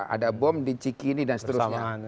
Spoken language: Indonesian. ada bom di cikini dan seterusnya